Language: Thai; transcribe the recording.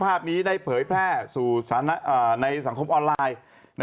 คลิปภาพนี้ได้เผยแพร่ในสังคมออนไลน์